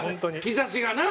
兆しがな。